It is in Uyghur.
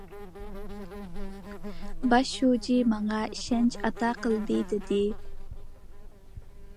باش شۇجى ماڭا ئىشەنچ ئاتا قىلدى دېدى.